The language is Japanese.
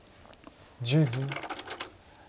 １０秒。